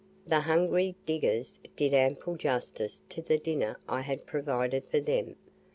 The hungry diggers did ample justice to the dinner I had provided for them.